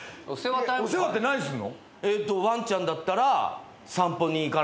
お世話って何すんの？